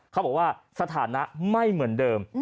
เขาบอกว่าสถานะไม่เหมือนเดิม